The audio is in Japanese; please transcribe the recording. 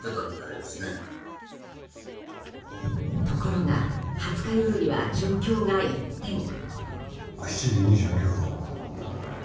ところが、２０日夜には状況が一転。